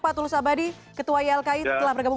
pak tulus abadi ketua ylki telah bergabung